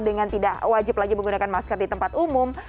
dengan tidak wajib lagi menggunakan masker di tempat umum